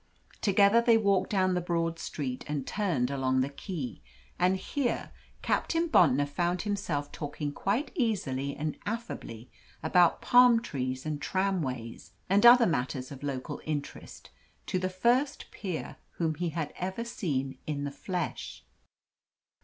Together they walked down the broad street and turned along the quay. And here Captain Bontnor found himself talking quite easily and affably about palm trees and tramways, and other matters of local interest, to the first peer whom he had ever seen in the flesh.